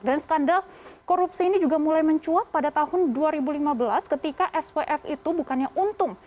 dan skandal korupsi ini juga mulai mencuat pada tahun dua ribu lima belas ketika swf itu bukannya untung